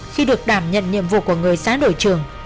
khi được đảm nhận nhiệm vụ của người xã đội trưởng